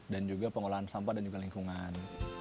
dan juga pengolahan sampah dan lingkungan